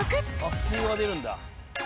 「スピードが出るんだ。